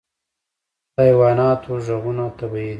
د حیواناتو غږونه طبیعي دي.